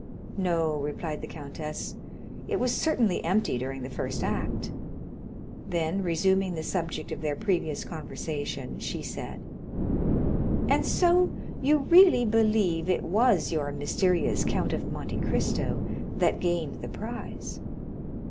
"No," replied the countess, "it was certainly empty during the first act;" then, resuming the subject of their previous conversation, she said, "And so you really believe it was your mysterious Count of Monte Cristo that gained the prize?"